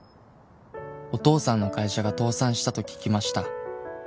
「お父さんの会社が倒産したと聞きました」